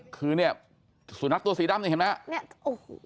คือเนี่ยสุนัขตัวสีดำนี่เห็นไหมฮะเนี่ยโอ้โห